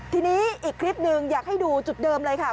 ทีนี้อีกคลิปนึงอยากให้ดูจุดเดิมเลยค่ะคุณผู้ชม